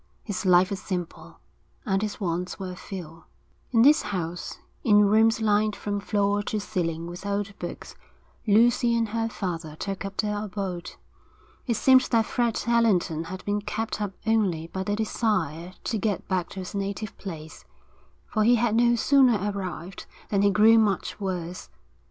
His life was simple, and his wants were few. In this house, in rooms lined from floor to ceiling with old books, Lucy and her father took up their abode. It seemed that Fred Allerton had been kept up only by the desire to get back to his native place, for he had no sooner arrived than he grew much worse.